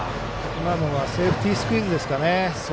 今のはセーフティースクイズですかね。